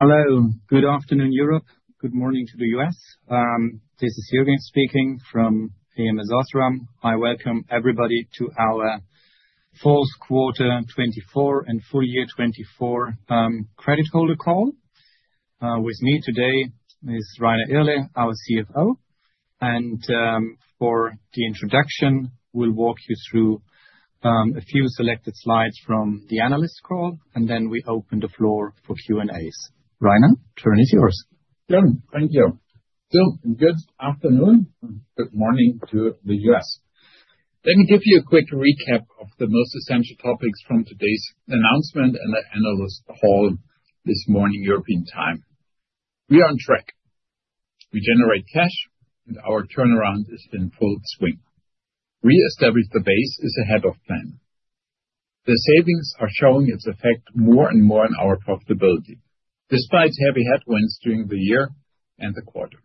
Hello, good afternoon Europe, good morning to the US. This is Jürgen speaking from ams OSRAM. I welcome everybody to our fourth quarter 2024 and full year 2024 credit holder call. With me today is Rainer Irle, our CFO, and for the introduction, we'll walk you through a few selected slides from the analyst call, and then we open the floor for Q&As. Rainer, the turn is yours. Thank you. Good afternoon and good morning to the US. Let me give you a quick recap of the most essential topics from today's announcement and the analyst call this morning European time. We are on track. We generate cash, and our turnaround is in full swing. We re-established the Base is ahead of plan. The savings are showing its effect more and more in our profitability, despite heavy headwinds during the year and the quarter.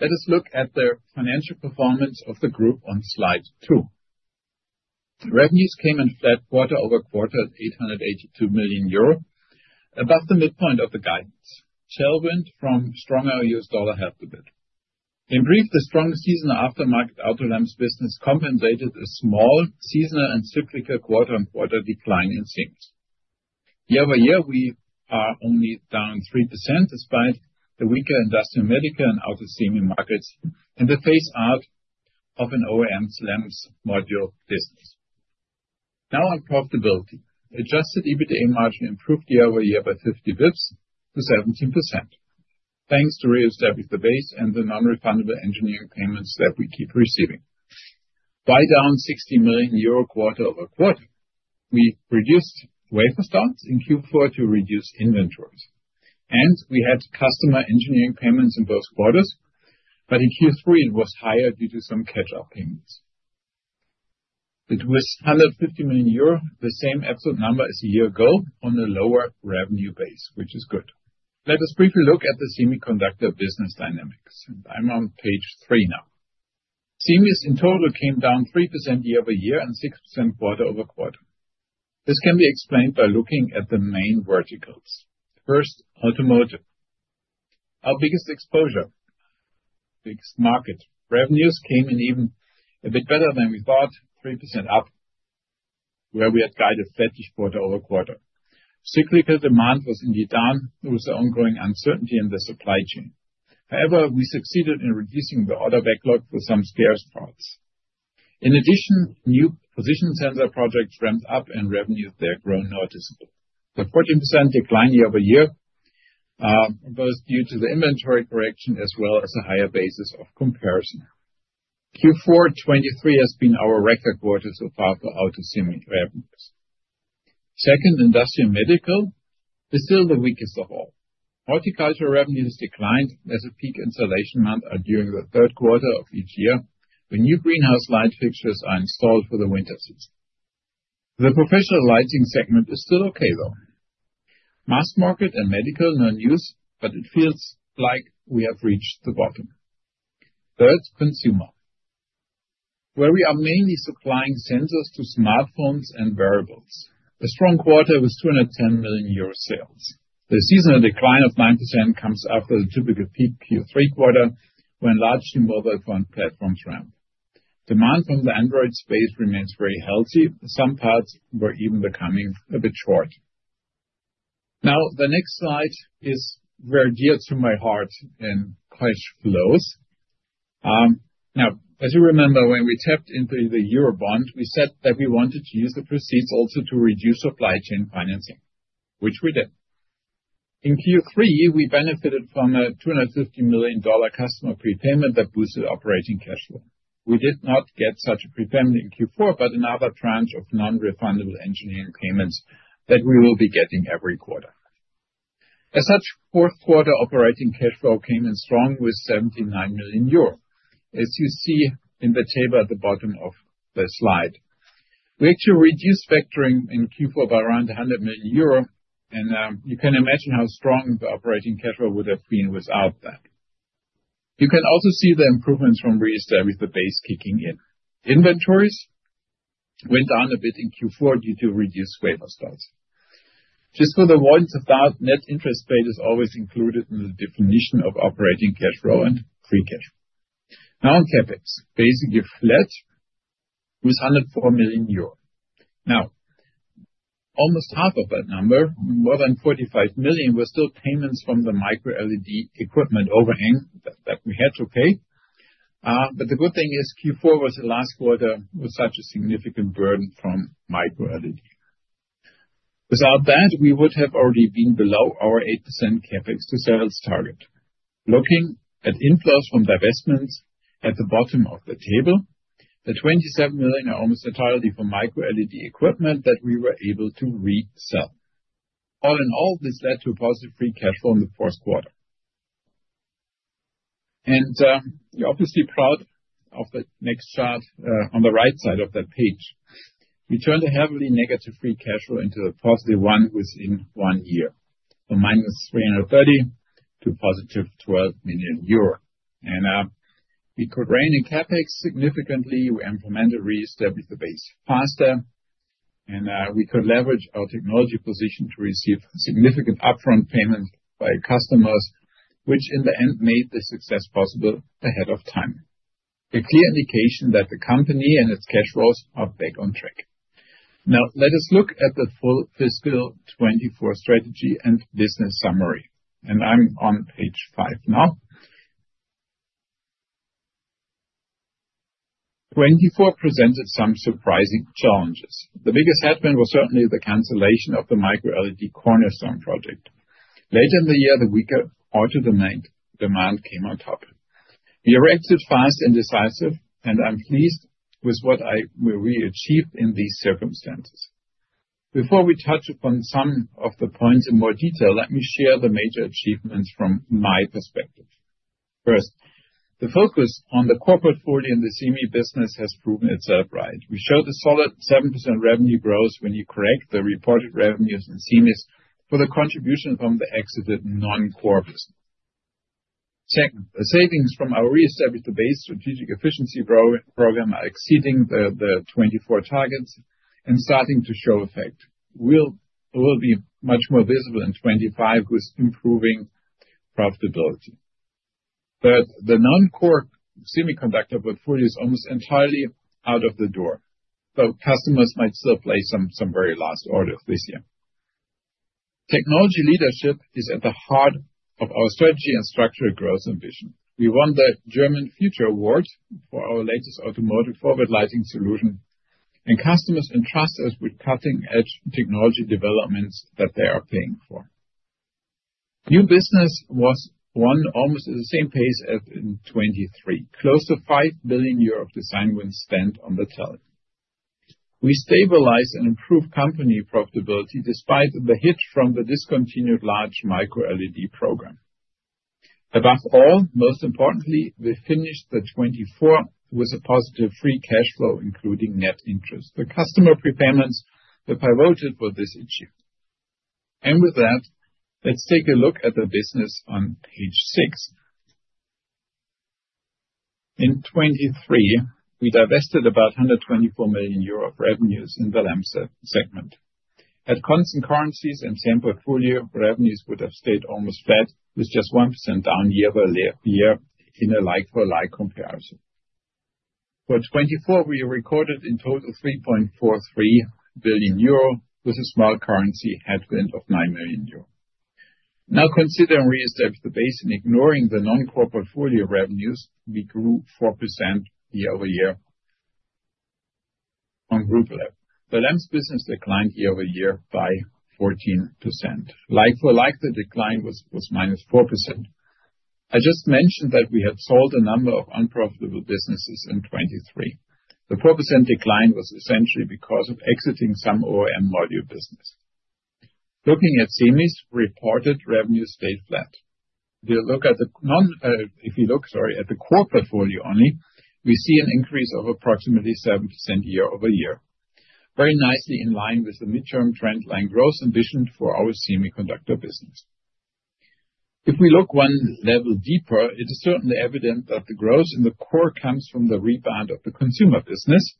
Let us look at the financial performance of the group on slide two. Revenues came in flat quarter over quarter at 882 million euro, above the midpoint of the guidance. The stronger US dollar helped a bit. In brief, the strong semis aftermarket auto L&S business compensated a small seasonal and cyclical quarter on quarter decline in semis. Year over year, we are only down 3% despite the weaker industrial, medical, and automotive markets and the phase-out of an OEM lens module business. Now, on profitability. Adjusted EBITDA margin improved year over year by 50 basis points to 17%, thanks to Re-establish the Base and the non-refundable engineering payments that we keep receiving. EBITDA down 60 million euro quarter over quarter, we reduced wafer starts in Q4 to reduce inventories. We had customer engineering payments in both quarters, but in Q3 it was higher due to some catch-up payments. It was 150 million euro, the same absolute number as a year ago on a lower revenue base, which is good. Let us briefly look at the semiconductor business dynamics. I'm on page three now. Semis in total came down 3% year over year and 6% quarter over quarter. This can be explained by looking at the main verticals. First, automotive. Our biggest exposure, biggest market revenues came in even a bit better than we thought, 3% up, where we had guided flat this quarter over quarter. Cyclical demand was indeed down due to ongoing uncertainty in the supply chain. However, we succeeded in reducing the order backlog for some spare parts. In addition, new position sensor projects ramped up and revenues, they're grown noticeably. The 14% decline year over year was due to the inventory correction as well as a higher basis of comparison. Q4 2023 has been our record quarter so far for auto revenues. Second, industrial medical is still the weakest of all. Horticulture revenues declined, as a peak installation month during the third quarter of each year when new greenhouse light fixtures are installed for the winter season. The professional lighting segment is still okay, though. Mass market and medical non-use, but it feels like we have reached the bottom. Third, consumer, where we are mainly supplying sensors to smartphones and wearables. A strong quarter was 210 million euro sales. The seasonal decline of 9% comes after the typical peak Q3 quarter when large mobile phone platforms ramp. Demand from the Android space remains very healthy. Some parts were even becoming a bit short. Now, the next slide is very dear to my heart and cash flows. Now, as you remember, when we tapped into the Eurobond, we said that we wanted to use the proceeds also to reduce supply chain financing, which we did. In Q3, we benefited from a $250 million customer prepayment that boosted operating cash flow. We did not get such a prepayment in Q4, but another tranche of non-refundable engineering payments that we will be getting every quarter. As such, fourth quarter operating cash flow came in strong with 79 million euro, as you see in the table at the bottom of the slide. We actually reduced factoring in Q4 by around 100 million euro, and you can imagine how strong the operating cash flow would have been without that. You can also see the improvements from Re-establish the Base kicking in. Inventories went down a bit in Q4 due to reduced wafer starts. Just for the warning of that, net interest paid is always included in the definition of operating cash flow and free cash. Now on CapEx, basically flat with 104 million euro. Now, almost half of that number, more than 45 million, was still payments from the MicroLED equipment overhang that we had to pay. But the good thing is Q4 was the last quarter with such a significant burden from MicroLED. Without that, we would have already been below our 8% CapEx to sales target. Looking at inflows from divestments at the bottom of the table, the € 27 million are almost entirely for MicroLED equipment that we were able to resell. All in all, this led to a positive free cash flow in the fourth quarter. And you're obviously proud of the next chart on the right side of the page. We turned a heavily negative free cash flow into a positive one within one year, a minus € 330 to positive € 12 million. And we could rein in CapEx significantly. We implemented Re-establish the Base faster, and we could leverage our technology position to receive significant upfront payments by customers, which in the end made the success possible ahead of time. A clear indication that the company and its cash flows are back on track. Now, let us look at the full fiscal 2024 strategy and business summary. I'm on page five now. 2024 presented some surprising challenges. The biggest headwind was certainly the cancellation of the microLED cornerstone project. Later in the year, the weaker auto demand came on top. We reacted fast and decisive, and I'm pleased with what we achieved in these circumstances. Before we touch upon some of the points in more detail, let me share the major achievements from my perspective. First, the focus on the core portfolio in the Semis business has proven itself right. We showed a solid 7% revenue growth when you correct the reported revenues in Semis for the contribution from the exited non-core business. Second, the savings from our Re-establish the Base strategic efficiency program are exceeding the 2024 targets and starting to show effect. We'll be much more visible in 2025 with improving profitability. Third, the non-core semiconductor portfolio is almost entirely out of the door, though customers might still place some very last orders this year. Technology leadership is at the heart of our strategy and structure growth ambition. We won the German Future Award for our latest automotive forward lighting solution, and customers entrust us with cutting-edge technology developments that they are paying for. New business was won almost at the same pace as in 2023, close to € 5 billion of design wins spent on the talent. We stabilized and improved company profitability despite the hit from the discontinued large micro LED program. Above all, most importantly, we finished the 2024 with a positive free cash flow, including net interest. The customer prepayments were pivoted for this achievement. And with that, let's take a look at the business on page six. In 2023, we divested about €124 million of revenues in the Lamps segment. At constant currencies and same portfolio, revenues would have stayed almost flat with just 1% down year over year in a like-for-like comparison. For 2024, we recorded in total €3.43 billion with a small currency headwind of €9 million. Now, considering Re-establish the Base and ignoring the non-core portfolio revenues, we grew 4% year over year on group level. The Lamps business declined year over year by 14%. Like-for-like, the decline was minus 4%. I just mentioned that we had sold a number of unprofitable businesses in 2023. The 4% decline was essentially because of exiting some OEM module business. Looking at Semis' reported revenue, stayed flat. If we look, sorry, at the core portfolio only, we see an increase of approximately 7% year over year, very nicely in line with the midterm trend line growth ambition for our semiconductor business. If we look one level deeper, it is certainly evident that the growth in the core comes from the rebound of the consumer business,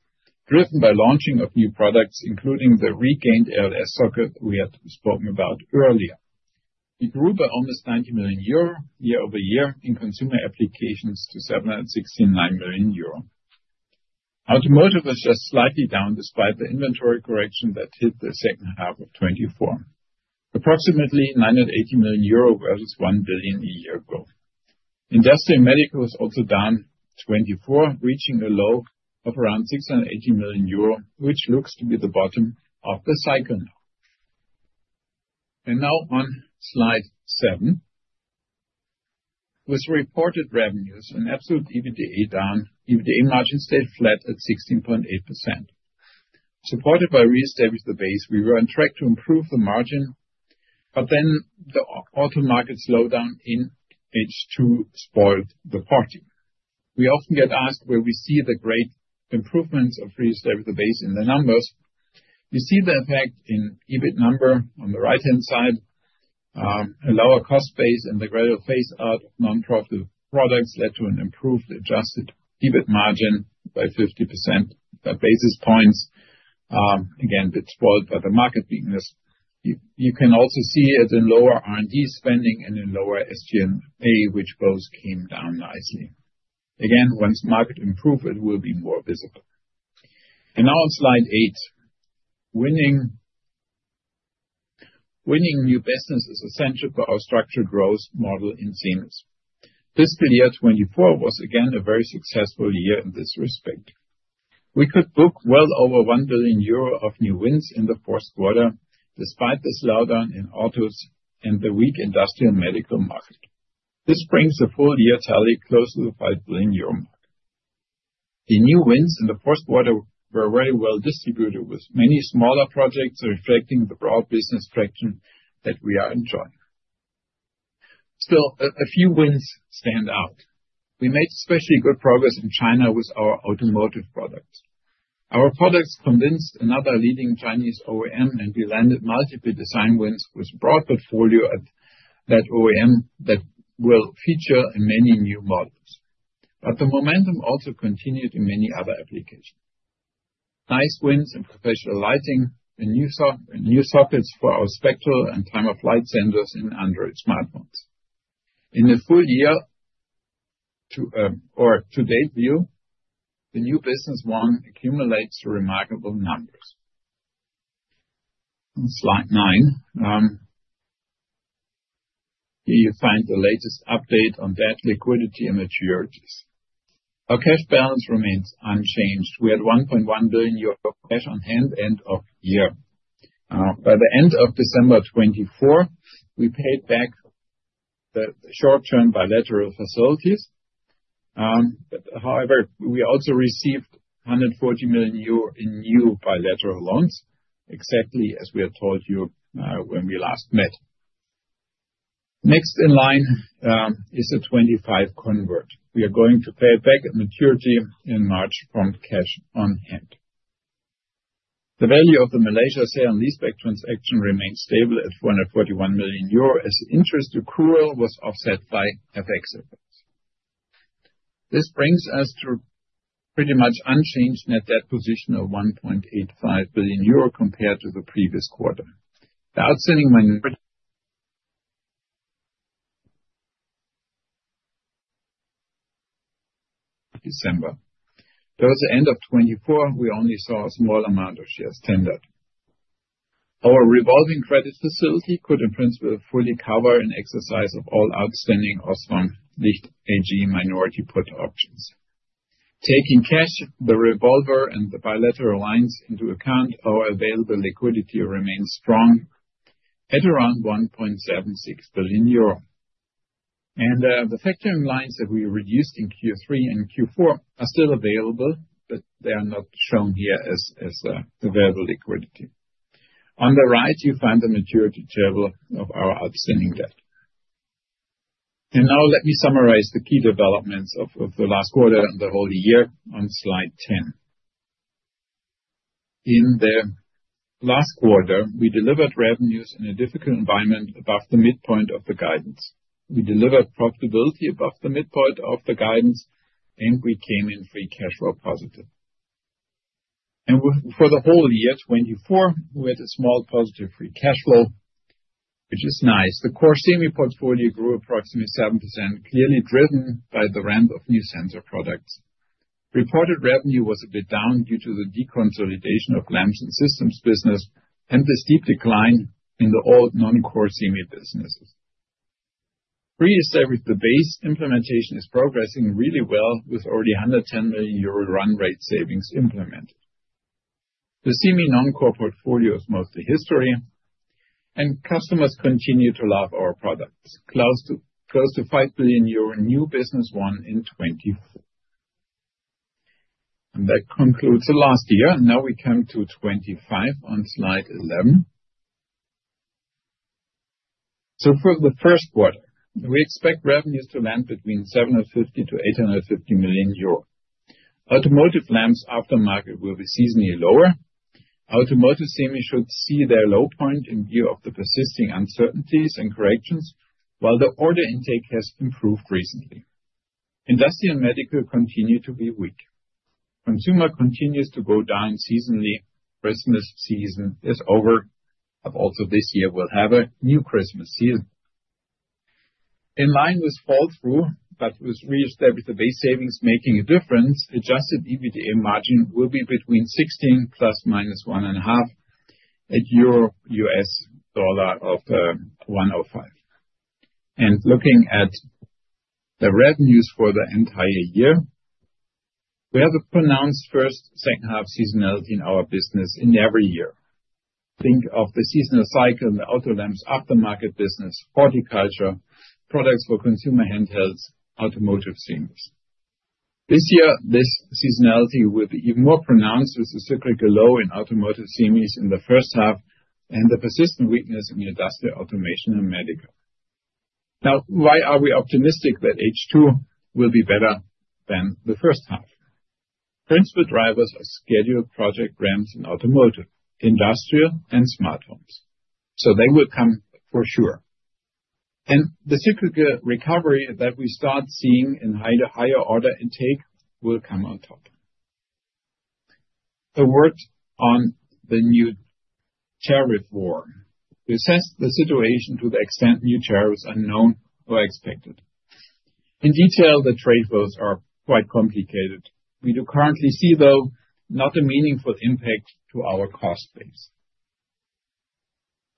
driven by launching of new products, including the regained LS socket we had spoken about earlier. We grew by almost 90 million euro year over year in consumer applications to 716 million euro. Automotive was just slightly down despite the inventory correction that hit the second half of 2024, approximately 980 million euro versus 1 billion a year ago. Industrial medical was also down 2024, reaching a low of around 680 million euro, which looks to be the bottom of the cycle now. Now on slide seven, with reported revenues and absolute EBITDA down, EBITDA margin stayed flat at 16.8%. Supported by Re-establish the Base, we were on track to improve the margin, but then the auto market slowdown in page two spoiled the party. We often get asked where we see the great improvements of Re-establish the Base in the numbers. You see the effect in EBIT number on the right-hand side, a lower cost base and the gradual phase out of non-profit products led to an improved adjusted EBIT margin by 50 basis points. That, again, a bit spoiled by the market weakness. You can also see it in lower R&D spending and in lower SG&A, which both came down nicely. Again, once market improve, it will be more visible. Now on slide eight, winning new business is essential for our structured growth model in Semis. Fiscal year 2024 was again a very successful year in this respect. We could book well over 1 billion euro of new wins in the fourth quarter, despite this slowdown in autos and the weak industrial medical market. This brings the full year tally close to the 5 billion euro mark. The new wins in the fourth quarter were very well distributed with many smaller projects reflecting the broad business traction that we are enjoying. Still, a few wins stand out. We made especially good progress in China with our automotive products. Our products convinced another leading Chinese OEM, and we landed multiple design wins with broad portfolio at that OEM that will feature in many new models. But the momentum also continued in many other applications. Nice wins in professional lighting and new sockets for our spectral and time-of-flight sensors in Android smartphones. In the full year or to date view, the new business won accumulates remarkable numbers. Slide nine, here you find the latest update on debt, liquidity, and maturities. Our cash balance remains unchanged. We had € 1.1 billion cash on hand end of year. By the end of December 2024, we paid back the short-term bilateral facilities. However, we also received € 140 million in new bilateral loans, exactly as we had told you when we last met. Next in line is a 2025 convert. We are going to pay it back at maturity in March from cash on hand. The value of the Malaysia sale and leaseback transaction remained stable at € 441 million as interest accrual was offset by FX effects. This brings us to pretty much unchanged net debt position of € 1.85 billion compared to the previous quarter. The outstanding minority December, towards the end of 2024, we only saw a small amount of shares tendered. Our revolving credit facility could in principle fully cover an exercise of all outstanding Osram Licht AG minority put options. Taking cash, the revolver, and the bilateral lines into account, our available liquidity remains strong at around 1.76 billion euro. And the factoring lines that we reduced in Q3 and Q4 are still available, but they are not shown here as available liquidity. On the right, you find the maturity table of our outstanding debt. And now let me summarize the key developments of the last quarter and the whole year on slide 10. In the last quarter, we delivered revenues in a difficult environment above the midpoint of the guidance. We delivered profitability above the midpoint of the guidance, and we came in free cash flow positive. And for the whole year, 2024, we had a small positive free cash flow, which is nice. The core Semis portfolio grew approximately seven%, clearly driven by the ramp of new sensor products. Reported revenue was a bit down due to the deconsolidation of Lamps and Systems business and the steep decline in the old non-core Semis businesses. Re-establish the Base implementation is progressing really well with already €110 million run rate savings implemented. The Semis non-core portfolio is mostly history, and customers continue to love our products. Close to €5 billion new business won in 2024. And that concludes the last year. Now we come to 2025 on slide 11. So for the first quarter, we expect revenues to land between €750-€850 million. Automotive Lamps aftermarket will be seasonally lower. Automotive Semis should see their low point in view of the persisting uncertainties and corrections while the order intake has improved recently. Industrial medical continue to be weak. Consumer continues to go down seasonally. Christmas season is over. Also, this year we'll have a new Christmas season. In line with flow through, but with Re-establish the Base savings making a difference, adjusted EBITDA margin will be between 16 plus minus one and a half at EUR/USD of 1.05. Looking at the revenues for the entire year, we have a pronounced first-second half seasonality in our business in every year. Think of the seasonal cycle in the auto Lamps aftermarket business, horticulture, products for consumer handhelds, automotive Semis. This year, this seasonality will be even more pronounced with the cyclical low in automotive Semis in the first half and the persistent weakness in industrial automation and medical. Now, why are we optimistic that H2 will be better than the first half? Principal drivers are scheduled project ramps in automotive, industrial, and smartphones. So they will come for sure. And the cyclical recovery that we start seeing in higher order intake will come on top. A word on the new tariff war. We assess the situation to the extent new tariffs are known or expected. In detail, the trade flows are quite complicated. We do currently see, though, not a meaningful impact to our cost base.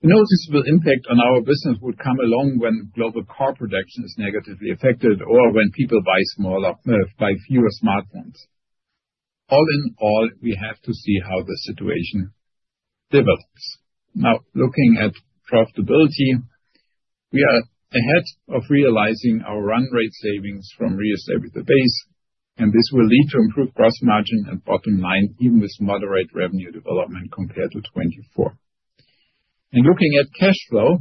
The noticeable impact on our business would come along when global car production is negatively affected or when people buy fewer smartphones. All in all, we have to see how the situation develops. Now, looking at profitability, we are ahead of realizing our run rate savings from Re-establish the Base, and this will lead to improved gross margin and bottom line even with moderate revenue development compared to 2024, and looking at cash flow,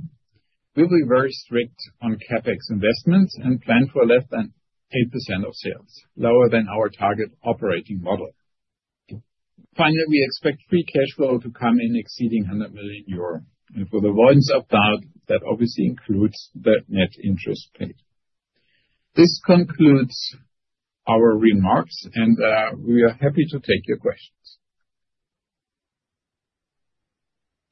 we will be very strict on CapEx investments and plan for less than 8% of sales, lower than our target operating model. Finally, we expect free cash flow to come in exceeding €100 million, and for the avoidance of doubt, that obviously includes the net interest paid. This concludes our remarks, and we are happy to take your questions.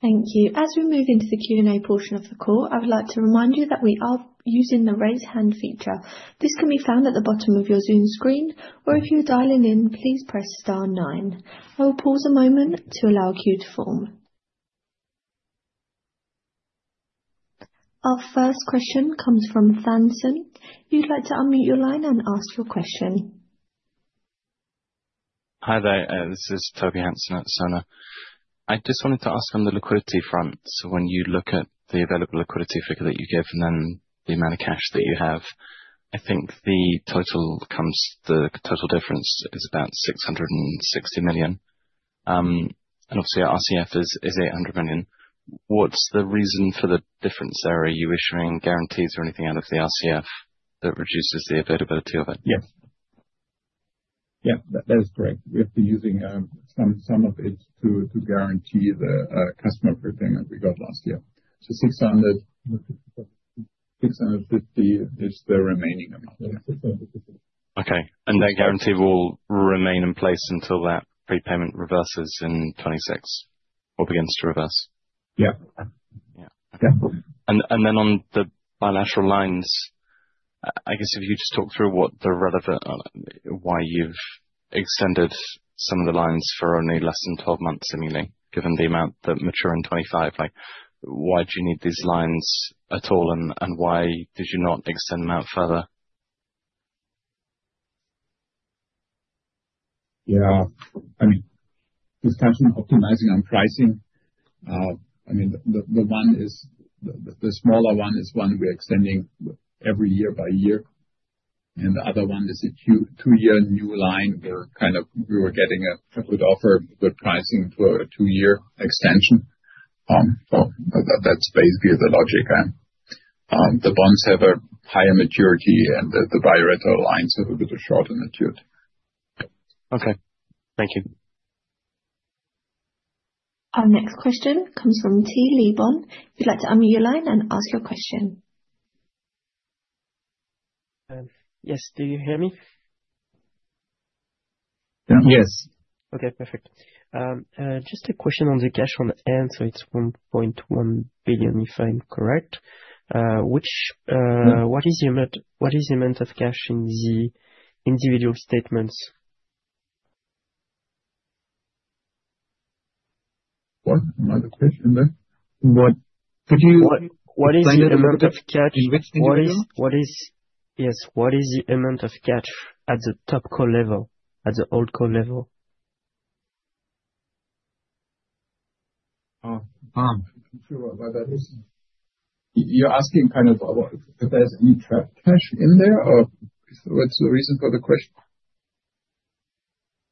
Thank you. As we move into the Q&A portion of the call, I would like to remind you that we are using the raise hand feature. This can be found at the bottom of your Zoom screen, or if you're dialing in, please press star nine. I will pause a moment to allow a queue to form. Our first question comes from Toby Hanson. You'd like to unmute your line and ask your question. Hi there. This is Toby Hanson at Sona. I just wanted to ask on the liquidity front. So when you look at the available liquidity figure that you give and then the amount of cash that you have, I think the total difference is about €660 million. And obviously, our RCF is €800 million. What's the reason for the difference? Are you issuing guarantees or anything out of the RCF that reduces the availability of it? Yes. Yeah, that is correct. We have been using some of it to guarantee the customer prepayment we got last year. So €650 is the remaining amount. Okay. And that guarantee will remain in place until that prepayment reverses in 2026 or begins to reverse? Yeah. Yeah. Okay. And then on the bilateral lines, I guess if you just talk through what the relevant why you've extended some of the lines for only less than 12 months seemingly, given the amount that mature in 2025, like why do you need these lines at all and why did you not extend them out further? Yeah. I mean, discussion optimizing on pricing. I mean, the smaller one is one we're extending every year by year. And the other one is a two-year new line. We were kind of getting a good offer, good pricing for a two-year extension. So that's basically the logic. The bonds have a higher maturity and the bilateral lines are a little bit shorter matured. Okay. Thank you. Our next question comes from Thibault Leneveu. You'd like to unmute your line and ask your question. Yes. Do you hear me? Yes. Okay. Perfect. Just a question on the cash on hand. So it's €1.1 billion, if I'm correct. What is the amount of cash in the individual statements? Could you explain the amount of cash? What is the amount of cash at the topco level, at the holdco level? You're asking kind of if there's any trapped cash in there or what's the reason for the question?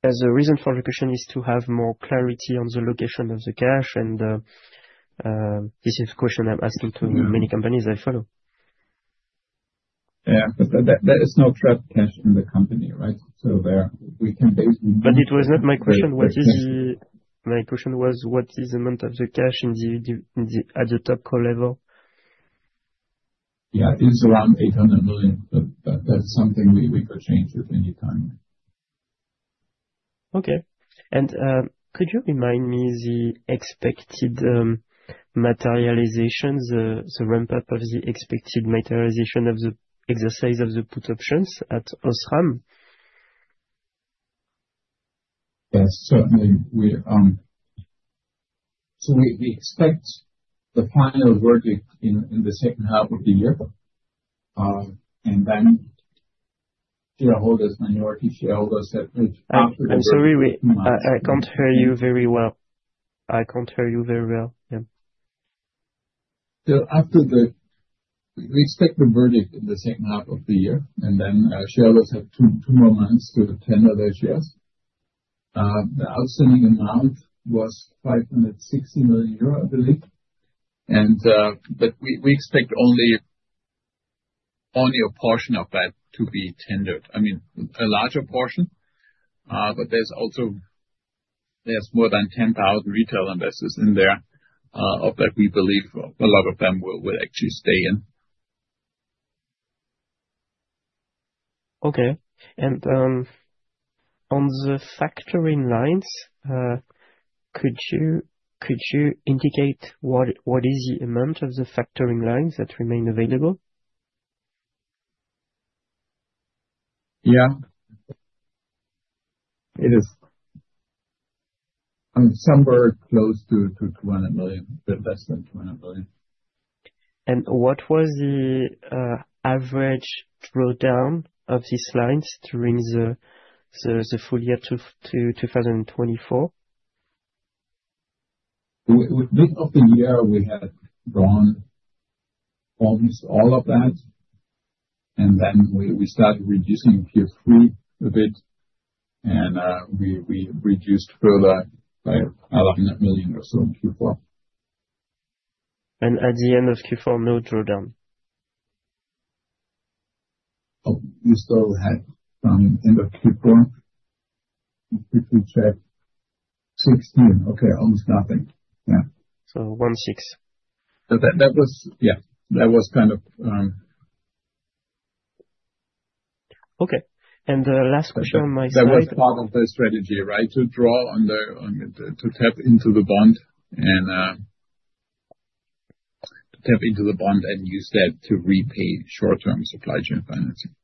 The reason for the question is to have more clarity on the location of the cash. And this is the question I'm asking to many companies I follow. Yeah. But there is no trapped cash in the company, right? So we can basically move. But it was not my question. My question was, what is the amount of the cash at the topco level? Yeah. It's around €800 million. But that's something we could change at any time. Okay. And could you remind me the expected materializations, the ramp-up of the expected materialization of the exercise of the put options at Osram? Yes. Certainly. So we expect the final verdict in the second half of the year. And then shareholders, minority shareholders that. I'm sorry. I can't hear you very well. Yeah. So we expect the verdict in the second half of the year, and then shareholders have two more months to tender their shares. The outstanding amount was €560 million, I believe. But we expect only a portion of that to be tendered. I mean, a larger portion. But there's also more than 10,000 retail investors in there that we believe a lot of them will actually stay in. Okay. On the factoring lines, could you indicate what is the amount of the factoring lines that remain available? Yeah. It is somewhere close to 200 million, a bit less than 200 million. And what was the average drawdown of these lines during the full year to 2024? With the mid of the year, we had drawn almost all of that. And then we started reducing Q3 a bit. And we reduced further by around a million or so in Q4. And at the end of Q4, no drawdown? Oh, we still had from the end of Q4. Let me quickly check. 16. Okay. Almost nothing. Yeah. So 16. Yeah. That was kind of. Okay. And the last question on my side. That was part of the strategy, right? To draw on to tap into the bond and use that to repay short-term supply chain financing.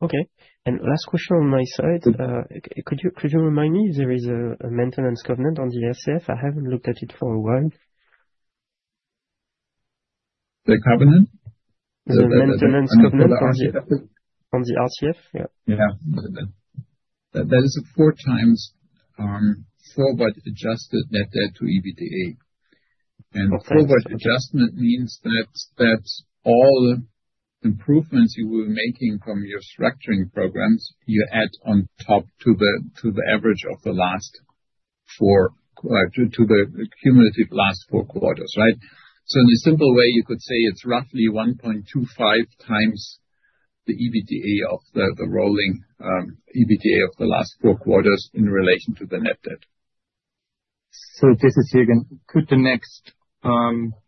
Okay. Last question on my side. Could you remind me if there is a maintenance covenant on the RCF? I haven't looked at it for a while. The covenant? The maintenance covenant on the RCF? Yeah. Yeah. That is a four times forward adjusted net debt to EBITDA. And forward adjustment means that all improvements you were making from your structuring programs, you add on top to the average of the last four to the cumulative last four quarters, right? So in a simple way, you could say it's roughly 1.25 times the rolling EBITDA of the last four quarters in relation to the net debt. So just to see again, could the next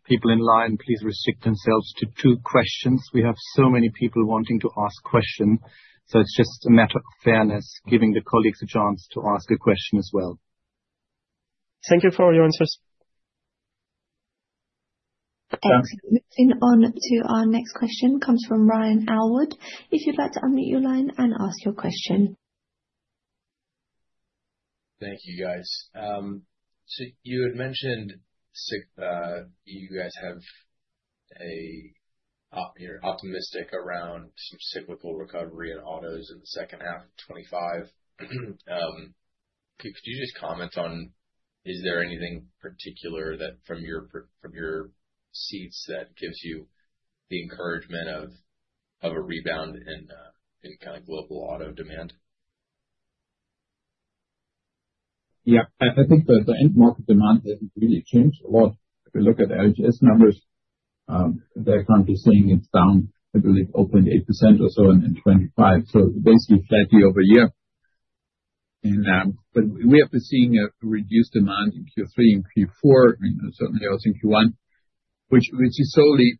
people in line please restrict themselves to two questions? We have so many people wanting to ask questions. So it's just a matter of fairness giving the colleagues a chance to ask a question as well. Thank you for your answers. Thanks. Moving on to our next question comes from Ryan Aylward. If you'd like to unmute your line and ask your question. Thank you, guys. So you had mentioned you guys have a you're optimistic around some cyclical recovery in autos in the second half of 2025. Could you just comment on, is there anything particular from your seats that gives you the encouragement of a rebound in kind of global auto demand? Yeah. I think the end market demand hasn't really changed a lot. If you look at L&S numbers, they're currently seeing it's down, I believe, 0.8% or so in 2025. So basically flat year over year. But we have been seeing a reduced demand in Q3 and Q4, certainly also in Q1, which is solely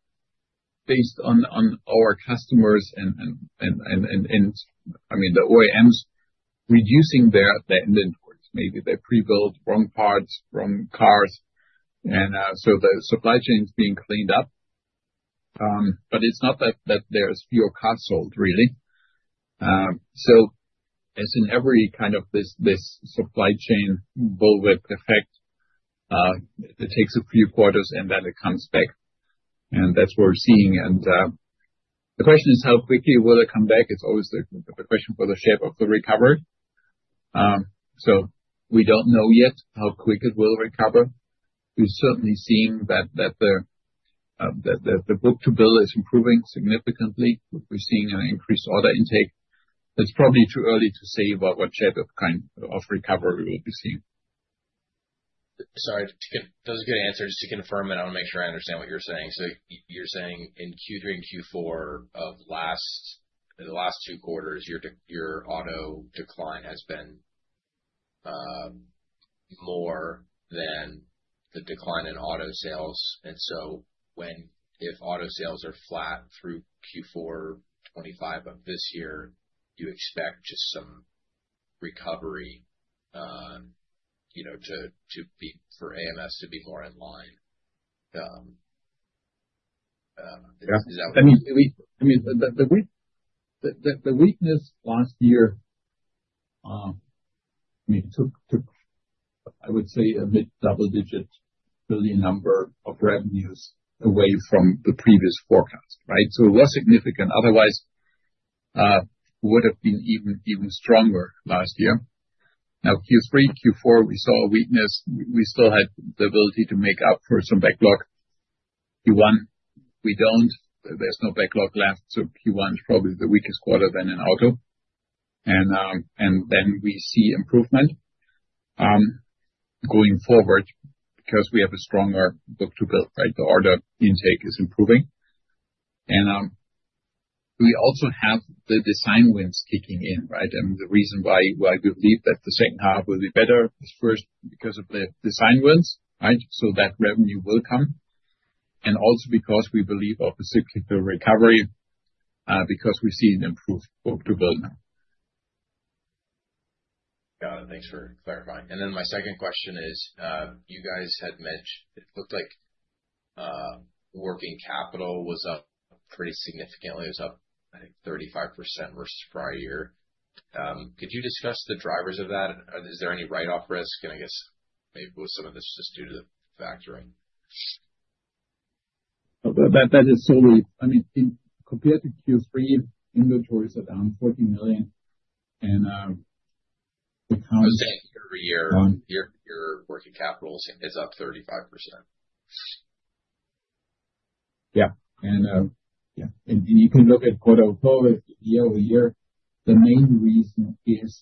based on our customers and, I mean, the OEMs reducing their inventories. Maybe they prebuild wrong parts, wrong cars. And so the supply chain is being cleaned up. But it's not that there's fewer cars sold, really. So as in every kind of this supply chain bullwhip effect, it takes a few quarters and then it comes back. And that's what we're seeing. And the question is how quickly will it come back? It's always the question for the shape of the recovery. So we don't know yet how quick it will recover. We're certainly seeing that the book-to-bill is improving significantly. We're seeing an increased order intake. It's probably too early to say what shape of recovery we will be seeing. Sorry. That was a good answer. Just to confirm, and I want to make sure I understand what you're saying, so you're saying in Q3 and Q4 of the last two quarters, your auto decline has been more than the decline in auto sales, and so if auto sales are flat through Q4 2025 of this year, you expect just some recovery for AMS to be more in line. Is that what you're saying? I mean, the weakness last year, I mean, took, I would say, a mid-double-digit billion number of revenues away from the previous forecast, right? So it was significant. Otherwise, it would have been even stronger last year. Now, Q3, Q4, we saw a weakness. We still had the ability to make up for some backlog. Q1, we don't. There's no backlog left. So Q1 is probably the weakest quarter in auto. And then we see improvement going forward because we have a stronger book-to-bill, right? The order intake is improving. And we also have the design wins kicking in, right? And the reason why we believe that the second half will be better is first because of the design wins, right? So that revenue will come. And also because we believe in a cyclical recovery because we've seen improved book-to-bill now. Got it. Thanks for clarifying. And then my second question is, you guys had mentioned it looked like working capital was up pretty significantly. It was up, I think, 35% versus prior year. Could you discuss the drivers of that? Is there any write-off risk? And I guess maybe some of this is just due to the factoring. That is solely, I mean, compared to Q3, inventory is around EUR 40 million. I was saying year over year, your working capital is up 35%. Yeah. And you can look at quarter over quarter, year over year. The main reason is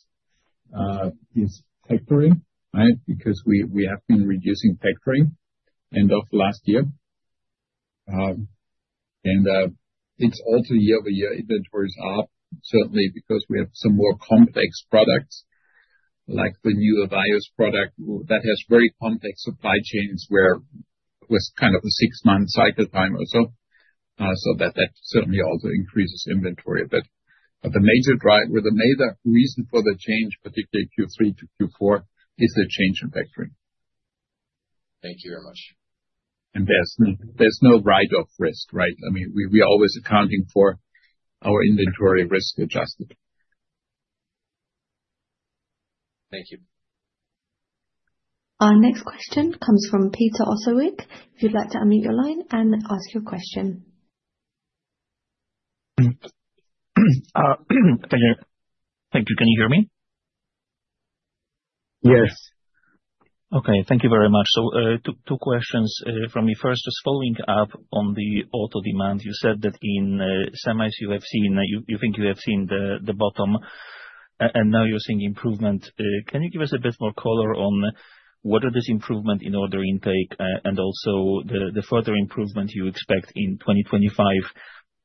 factoring, right? Because we have been reducing factoring end of last year. And it's also year over year. Inventory is up, certainly, because we have some more complex products, like the new ALIYOS product that has very complex supply chains where it was kind of a six-month cycle time or so. So that certainly also increases inventory. But the major drive or the major reason for the change, particularly Q3 to Q4, is the change in factoring. Thank you very much. And there's no write-off risk, right? I mean, we're always accounting for our inventory risk-adjusted. Thank you. Our next question comes from Peter Osram Wick. If you'd like to unmute your line and ask your question. Thank you. Thank you. Can you hear me? Yes. Okay. Thank you very much. So two questions from me. First, just following up on the auto demand, you said that in semis, you have seen, you think you have seen the bottom, and now you're seeing improvement. Can you give us a bit more color on what is this improvement in order intake and also the further improvement you expect in 2025?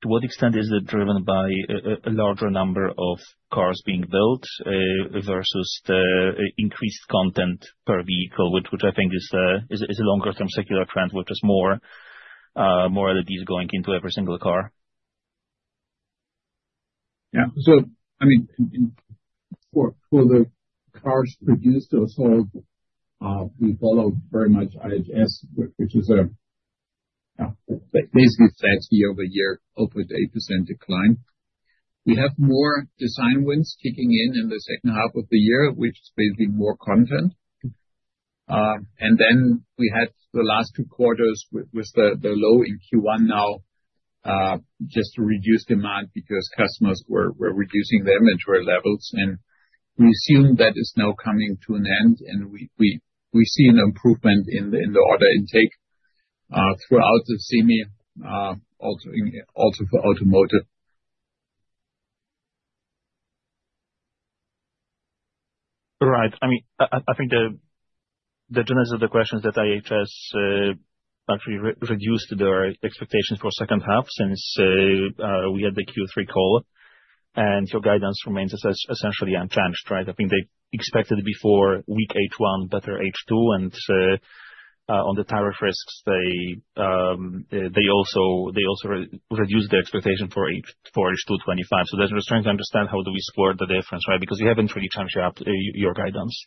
To what extent is it driven by a larger number of cars being built versus the increased content per vehicle, which I think is a longer-term circular trend, which is more LEDs going into every single car? Yeah. So I mean, for the cars produced or sold, we follow very much IHS, which is basically flat year over year, 0.8% decline. We have more design wins kicking in in the second half of the year, which is basically more content. And then we had the last two quarters with the low in Q1 now, just to reduce demand because customers were reducing their inventory levels. And we assume that is now coming to an end. And we see an improvement in the order intake throughout the semi, also for automotive. Right. I mean, I think the genesis of the question is that IHS actually reduced their expectations for the second half since we had the Q3 call. And your guidance remains essentially unchanged, right? I think they expected before weak H1, better H2. And on the tariff risks, they also reduced the expectation for H2 25. So they're just trying to understand how do we square the difference, right? Because you haven't really changed your guidance.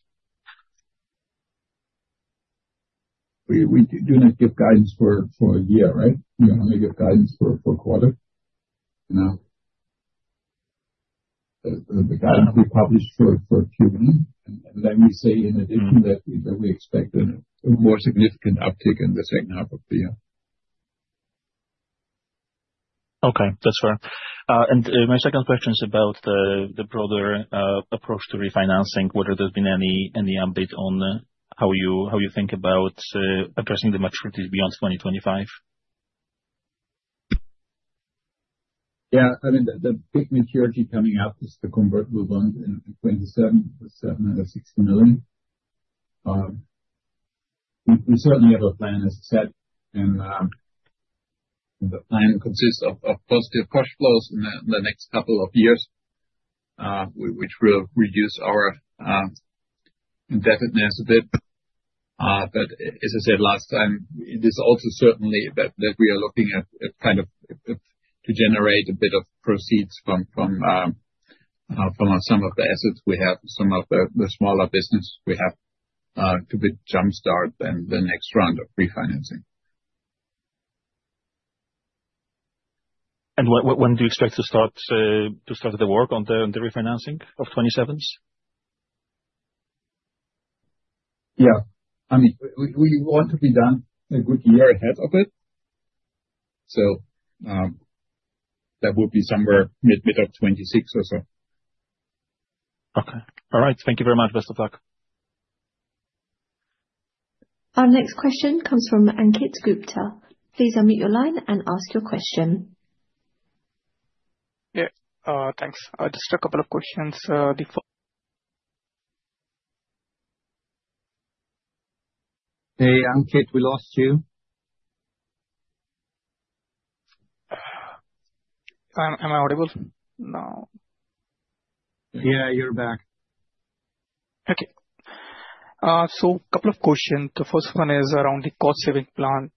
We do not give guidance for a year, right? We only give guidance for a quarter. The guidance we publish for Q1. And then we say in addition that we expect a more significant uptick in the second half of the year. Okay. That's fair. And my second question is about the broader approach to refinancing. Whether there's been any update on how you think about addressing the maturities beyond 2025? Yeah. I mean, the big maturity coming up is the convertible bond in 2027 for 760 million. We certainly have a plan, as I said. And the plan consists of positive cash flows in the next couple of years, which will reduce our indebtedness a bit. But as I said last time, it is also certainly that we are looking at kind of to generate a bit of proceeds from some of the assets we have, some of the smaller business we have, to jumpstart the next round of refinancing. And when do you expect to start the work on the refinancing of 2027s? Yeah. I mean, we want to be done a good year ahead of it. So that would be somewhere mid of 2026 or so. Okay. All right. Thank you very much. Best of luck. Our next question comes from Ankit Gupta. Please unmute your line and ask your question. Yeah. Thanks. Just a couple of questions before. Hey, Ankit, we lost you. Am I audible? No. Yeah, you're back. Okay. So a couple of questions. The first one is around the cost-saving plan.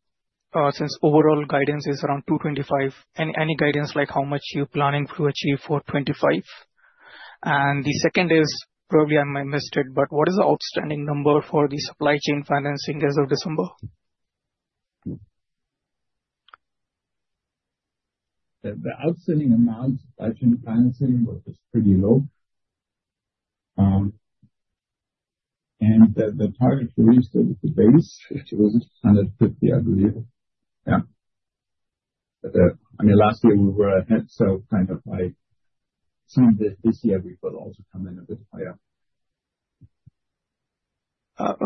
Since overall guidance is around 225, any guidance like how much you're planning to achieve for 2025? And the second is, probably I might missed it, but what is the outstanding number for the supply chain financing as of December? The outstanding amount of supply chain financing was pretty low. And the target for resale was the base, which was 150, I believe. Yeah. I mean, last year we were ahead, so kind of like seeing this year, we will also come in a bit higher.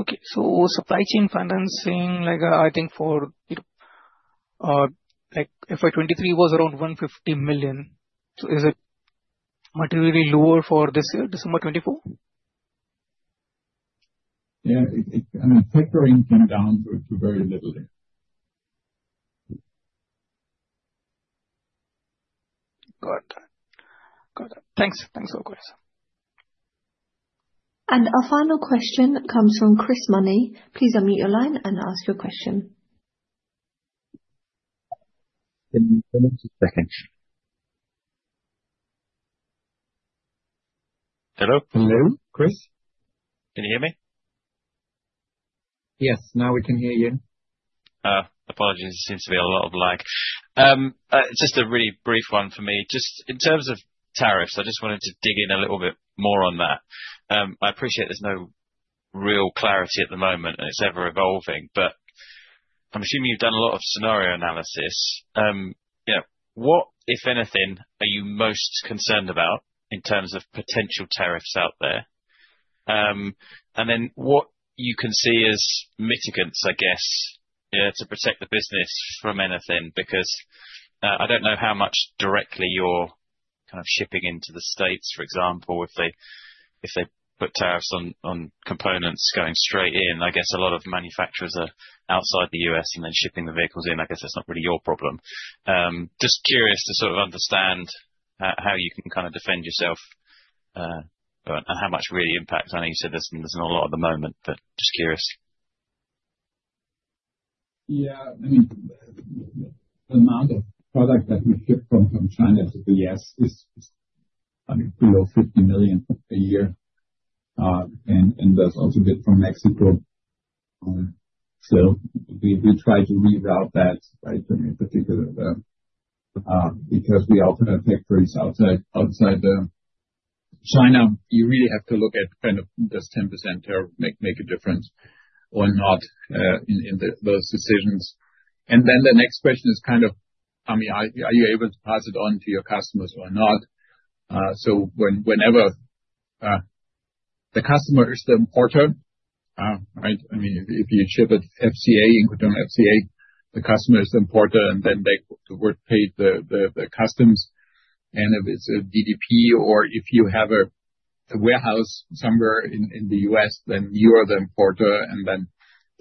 Okay. So supply chain financing, I think for FY23 was around 150 million. So is it materially lower for this year, December 2024? Yeah. I mean, factoring came down to very little there. Got it. Got it. Thanks. Thanks for the question. Our final question comes from Chris Money. Please unmute your line and ask your question. Give me just a second. Hello? Hello, Chris? Can you hear me? Yes. Now we can hear you. Apologies. It seems to be a lot of lag. Just a really brief one for me. Just in terms of tariffs, I just wanted to dig in a little bit more on that. I appreciate there's no real clarity at the moment and it's ever evolving, but I'm assuming you've done a lot of scenario analysis. What, if anything, are you most concerned about in terms of potential tariffs out there? And then what you can see as mitigants, I guess, to protect the business from anything? Because I don't know how much directly you're kind of shipping into the States, for example, if they put tariffs on components going straight in. I guess a lot of manufacturers are outside the US and then shipping the vehicles in. I guess that's not really your problem. Just curious to sort of understand how you can kind of defend yourself and how much really impact. I know you said there's not a lot at the moment, but just curious. Yeah. I mean, the amount of product that we ship from China to the US is, I mean, below 50 million a year. And there's also a bit from Mexico. So we try to reroute that, right, in particular, because we often have factories outside China. You really have to look at kind of does 10% tariff make a difference or not in those decisions? And then the next question is kind of, I mean, are you able to pass it on to your customers or not? So whenever the customer is the importer, right? I mean, if you ship it FCA, incoterm FCA, the customer is the importer, and then they would pay the customs. If it's a DDP or if you have a warehouse somewhere in the US, then you are the importer. Then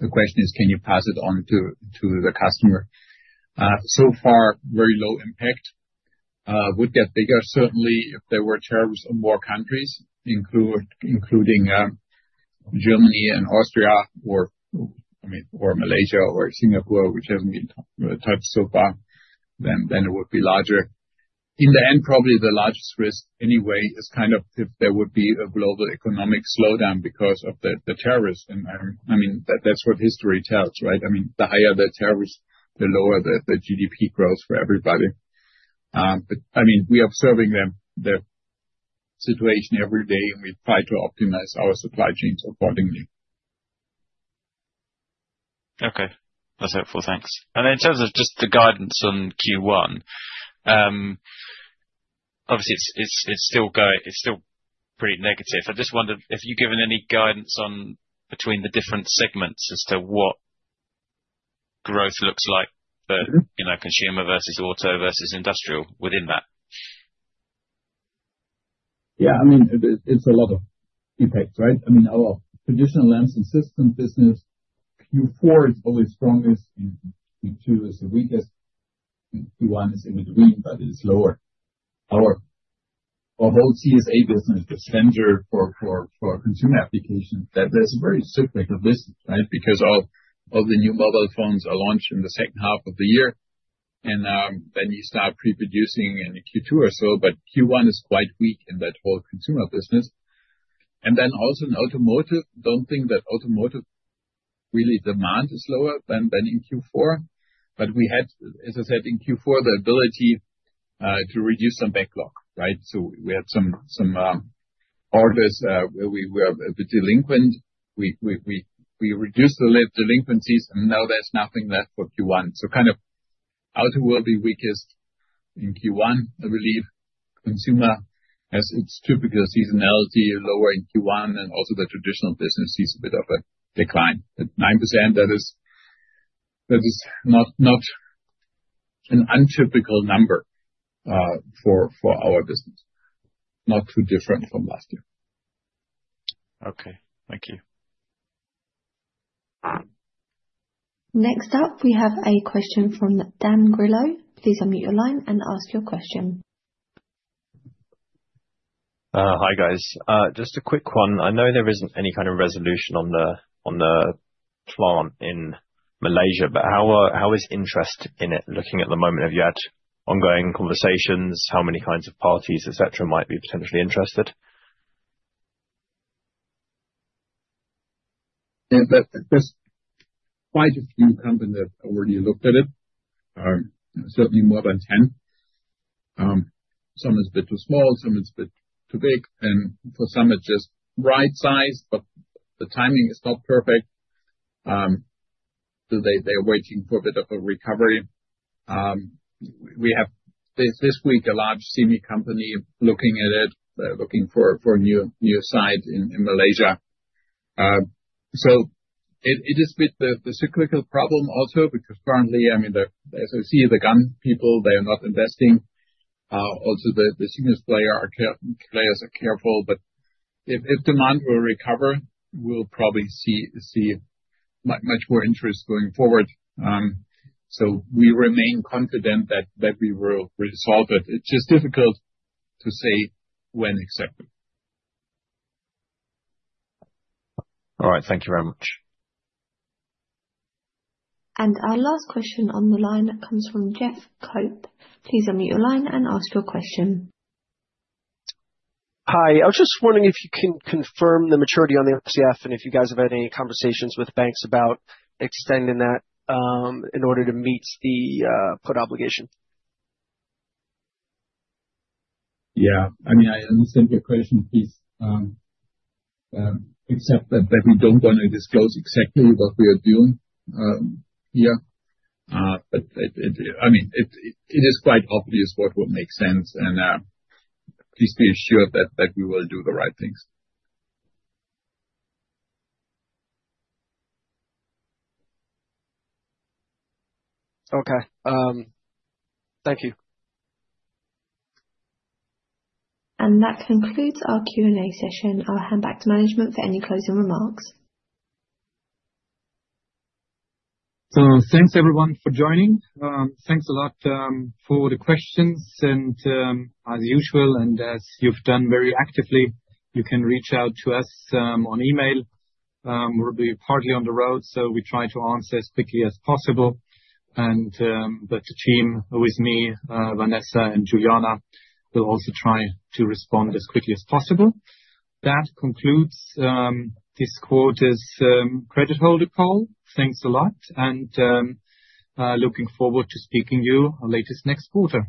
the question is, can you pass it on to the customer? So far, very low impact. It would get bigger, certainly, if there were tariffs on more countries, including Germany and Austria or, I mean, or Malaysia or Singapore, which hasn't been touched so far, then it would be larger. In the end, probably the largest risk anyway is kind of if there would be a global economic slowdown because of the tariffs. I mean, that's what history tells, right? I mean, the higher the tariffs, the lower the GDP growth for everybody. We are observing the situation every day, and we try to optimize our supply chains accordingly. Okay. That's helpful. Thanks. And in terms of just the guidance on Q1, obviously, it's still pretty negative. I just wondered if you've given any guidance between the different segments as to what growth looks like, consumer versus auto versus industrial within that. Yeah. I mean, it's a lot of impacts, right? I mean, our traditional lamps and systems business, Q4 is always strongest, Q2 is the weakest. Q1 is in between, but it's lower. Our whole CSA business, the segment for consumer applications, it's a very cyclical business, right? Because all the new mobile phones are launched in the second half of the year. And then you start pre-producing in Q2 or so, but Q1 is quite weak in that whole consumer business. And then also in automotive, I don't think that automotive real demand is lower than in Q4. But we had, as I said, in Q4, the ability to reduce some backlog, right? So we had some orders where we were a bit delinquent. We reduced the delinquencies, and now there's nothing left for Q1. So kind of auto will be weakest in Q1, I believe. Consumer, as it's typical seasonality, lower in Q1, and also the traditional business sees a bit of a decline. At 9%, that is not an untypical number for our business. Not too different from last year. Okay. Thank you. Next up, we have a question from Dan Grillo. Please unmute your line and ask your question. Hi, guys. Just a quick one. I know there isn't any kind of resolution on the plant in Malaysia, but how is interest in it looking at the moment? Have you had ongoing conversations? How many kinds of parties, etc., might be potentially interested? There's quite a few companies that already looked at it. Certainly more than 10. Some are a bit too small, some are a bit too big. And for some, it's just right size, but the timing is not perfect. They are waiting for a bit of a recovery. We have this week a large semi company looking at it, looking for a new site in Malaysia. So it is a bit the cyclical problem also because currently, I mean, as I see the fab people, they are not investing. Also, the senior players are careful. But if demand will recover, we'll probably see much more interest going forward. So we remain confident that we will resolve it. It's just difficult to say when exactly. All right. Thank you very much, And our last question on the line comes from Jeff Cope. Please unmute your line and ask your question. Hi. I was just wondering if you can confirm the maturity on the RCF and if you guys have had any conversations with banks about extending that in order to meet the put obligation? Yeah. I mean, I understand your question. Please accept that we don't want to disclose exactly what we are doing here. But I mean, it is quite obvious what would make sense. And please be assured that we will do the right things. Okay. Thank you. And that concludes our Q&A session. I'll hand back to management for any closing remarks. So thanks, everyone, for joining. Thanks a lot for the questions. And as usual, and as you've done very actively, you can reach out to us on email. We'll be partly on the road, so we try to answer as quickly as possible. But the team with me, Vanessa and Juliana, will also try to respond as quickly as possible. That concludes this quarter's credit holder call. Thanks a lot. And looking forward to speaking to you our latest next quarter.